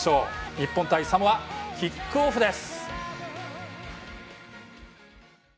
日本対サモア、キックオフです。